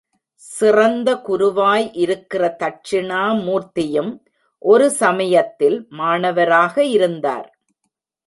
சிறந்த குருவாய் இருக்கிற தட்சிணாமூர்த்தியும் ஒரு சமயத்தில் மாணவராக இருந்தார்.